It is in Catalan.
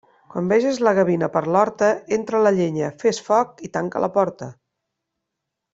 Quan veges la gavina per l'horta, entra la llenya, fes foc i tanca la porta.